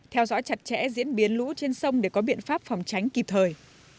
theo dõi chặt chẽ diễn biến lũ trên sông để có biện pháp phòng tránh kịp thời